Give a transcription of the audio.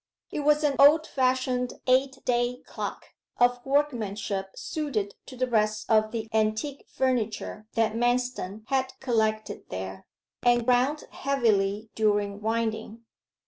It was an old fashioned eight day clock, of workmanship suited to the rest of the antique furniture that Manston had collected there, and ground heavily during winding.